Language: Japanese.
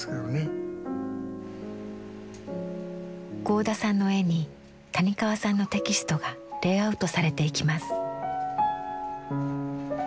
合田さんの絵に谷川さんのテキストがレイアウトされていきます。